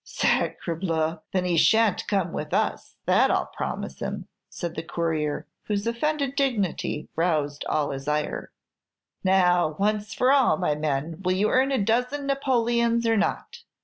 "Sacre bleu! Then he shan't come with us; that I'll promise him," said the courier, whose offended dignity roused all his ire. "Now, once for all, my men, will you earn a dozen Napoleons, or not?